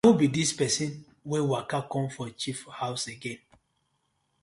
Na who bi dis pesin wey waka com for chief haws again.